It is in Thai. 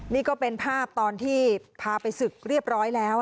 นี่ก็เป็นภาพตอนที่พาไปศึกเรียบร้อยแล้ว